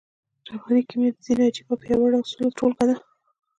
رواني کيميا د ځينو عجييو او پياوړو اصولو ټولګه ده.